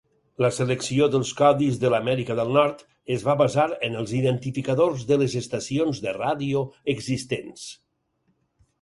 La selecció dels codis a l'Amèrica del Nord es va basar en els identificadors de les estacions de ràdio existents.